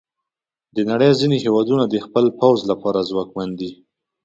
د نړۍ ځینې هیوادونه د خپل پوځ لپاره ځواکمن دي.